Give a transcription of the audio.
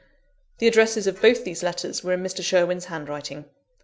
The addresses of both these letters were in Mr. Sherwin's handwriting.